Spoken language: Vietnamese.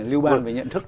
lưu ban và nhận thức